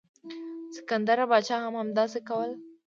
سکندر پاچا هم همداسې کول.